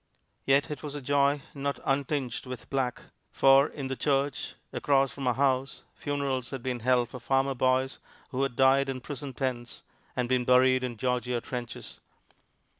Yet it was a joy not untinged with black; for in the church across from our house, funerals had been held for farmer boys who had died in prison pens and been buried in Georgia trenches.